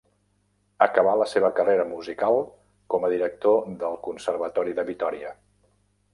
Acabà la seva carrera musical com a director del Conservatori de Vitòria.